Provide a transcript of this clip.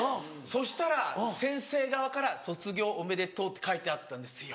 そしたら先生側から「卒業おめでとう」って書いてあったんですよ。